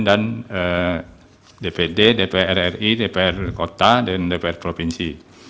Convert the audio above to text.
dan dpd dpr ri dpr kota dan dpr provinsi